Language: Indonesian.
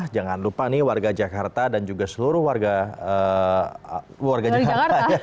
jangan lupa nih warga jakarta dan juga seluruh warga jakarta